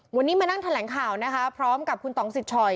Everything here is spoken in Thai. วันนี้มานั่งแถลงข่าวนะคะพร้อมกับคุณต่องสิทธอย